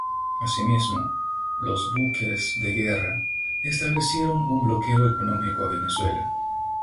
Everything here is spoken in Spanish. Asimismo, los buques de guerra, establecieron un bloqueo económico a Venezuela.